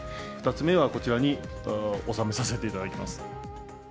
２つ目はこちらに納めさせていただきます。